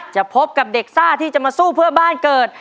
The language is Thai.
พบกับเด็กซ่าที่จะมาสู้เพื่อบ้านเกิด